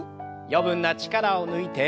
余分な力を抜いて。